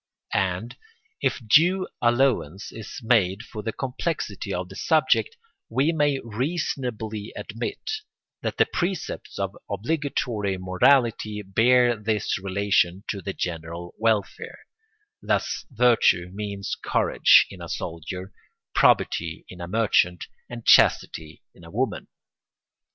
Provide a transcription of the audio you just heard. And, if due allowance is made for the complexity of the subject, we may reasonably admit that the precepts of obligatory morality bear this relation to the general welfare; thus virtue means courage in a soldier, probity in a merchant, and chastity in a woman.